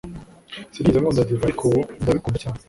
Sinigeze nkunda divayi ariko ubu ndabikunda cyane